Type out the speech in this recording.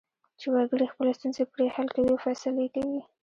چې وګړي خپلې ستونزې پرې حل کوي او فیصلې کوي.